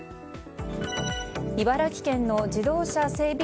茨城県の自動車整備